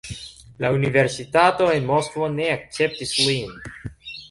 La universitato en Moskvo ne akceptis lin.